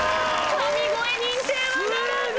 神声認定はならず。